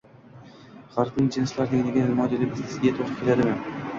G‘arbning «jinslar tengligi» modeli bizga to‘g‘ri keladimi?